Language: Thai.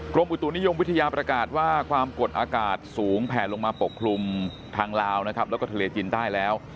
กรมอุตุนิยมวิทยาประกาศว่าความกดอากาศสูงแผ่ลงมาปกคลุมทางลาวนะครับแล้วก็ทะเลจีนใต้แล้ว